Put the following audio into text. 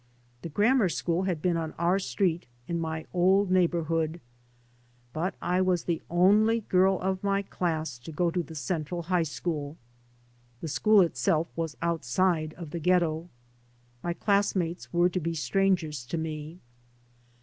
The grammar school had been on our street, in my old neighbourhood. But I was the only girl of my class to go to the Central High School. The school itself was outside of the ghetto. My classmates were to be strangers to me.